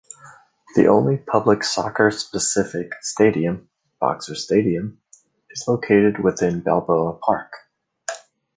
The only public soccer-specific stadium, Boxer Stadium, is located within Balboa Park.